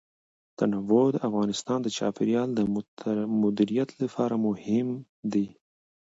تنوع د افغانستان د چاپیریال د مدیریت لپاره مهم دي.